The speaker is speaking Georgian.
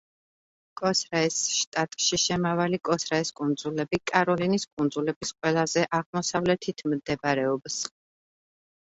კოსრაეს შტატში შემავალი კოსრაეს კუნძულები კაროლინის კუნძულების ყველაზე აღმოსავლეთით მდებარეობს.